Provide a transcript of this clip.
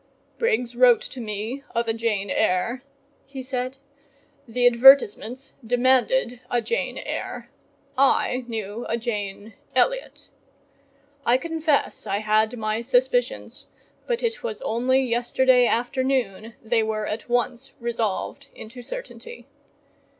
"Briggs wrote to me of a Jane Eyre:" he said, "the advertisements demanded a Jane Eyre: I knew a Jane Elliott.—I confess I had my suspicions, but it was only yesterday afternoon they were at once resolved into certainty.